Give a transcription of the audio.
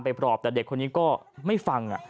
ปลอบแต่เด็กคนนี้ก็ไม่ฟัง